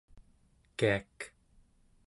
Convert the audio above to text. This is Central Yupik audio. kiak